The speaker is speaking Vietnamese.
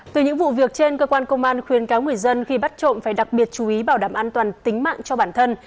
từ những vụ việc trên cơ quan công an khuyên cáo người dân khi bắt trộm phải đặc biệt chú ý bảo đảm an toàn tính mạng cho bản thân